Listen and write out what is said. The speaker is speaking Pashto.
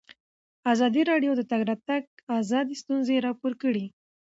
ازادي راډیو د د تګ راتګ ازادي ستونزې راپور کړي.